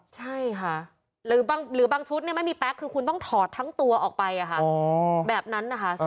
ใช่ค่ะหรือบางชุดไม่มีแป๊กคือคุณต้องถอดทั้งตัวออกไปแบบนั้นนะคะ